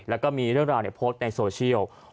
แล้วก็มีเรื่องราวโพสต์ในโซเชียล